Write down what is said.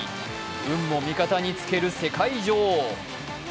運も味方につける世界女王。